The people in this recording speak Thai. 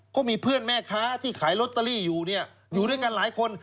ก็มีเพื่อนแม่ค้าที่ขายลอตเตอรี่อยู่เนี่ยอยู่ด้วยกันหลายคน